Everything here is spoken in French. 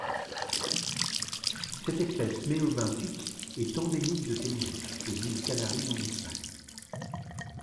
Cette espèce meiobenthique est endémique de Tenerife aux îles Canaries en Espagne.